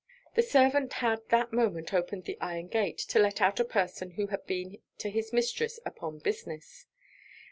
The servant had that moment opened the iron gate, to let out a person who had been to his mistress upon business.